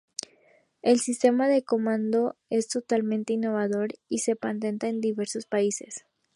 El sistema de comando es totalmente innovador y se patenta en diversos países.